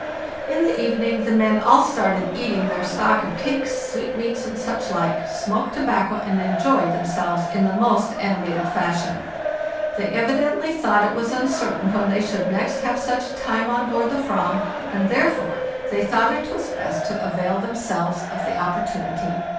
"In the evening the men all started eating their stock of cakes, sweetmeats, and such like, smoked tobacco, and enjoyed themselves in the most animated fashion. They evidently thought it was uncertain when they should next have such a time on board the /vam, and therefore they thought it was best to avail themselves 60 FARIAE ST NORTH of the opportunity.